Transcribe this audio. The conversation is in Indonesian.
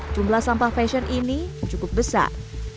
jumlah sampah fashion ini cukup besar